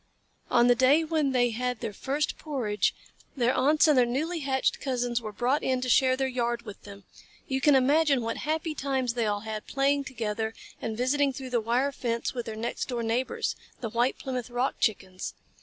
On the day when they had their first porridge, their aunts and their newly hatched cousins were brought in to share their yard with them. You can imagine what happy times they all had, playing together and visiting through the wire fence with their next door neighbors, the White Plymouth Rock Chickens.